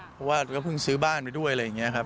เพราะว่าก็เพิ่งซื้อบ้านไปด้วยอะไรอย่างนี้ครับ